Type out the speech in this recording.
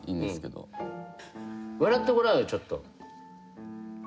笑ってごらんよちょっと。